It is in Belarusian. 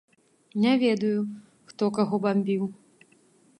Не ведаю, хто каго бамбіў.